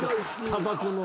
たばこの。